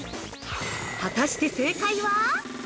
◆果たして正解は。